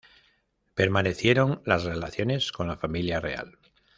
Permanecieron las relaciones con la familia real.